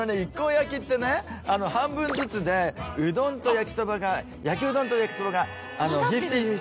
焼きってね半分ずつでうどんと焼きそばが焼きうどんと焼きそばが「５０：５０」